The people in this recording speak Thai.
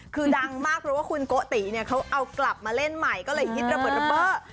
คือดังมากเพราะว่าคุณโกติเนี่ยเขาเอากลับมาเล่นใหม่ก็เลยฮิตระเบิดระเบิด